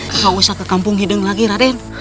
nggak usah ke kampung hideng lagi raden